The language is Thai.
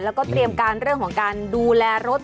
แล้วก็เตรียมการเรื่องของการดูแลรถ